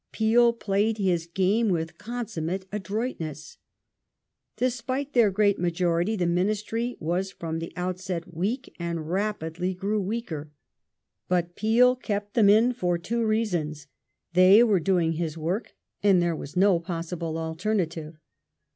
Peel played his game with consum mate adroitness.^ Despite their great majority the Ministry was from the outset weak, and rapidly grew weaker, but Peel kept them in for two reasons : they were doing his work, and there was no possible alternative.